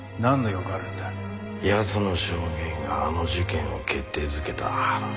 奴の証言があの事件を決定づけた。